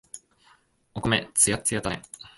お米、つやっつやだね。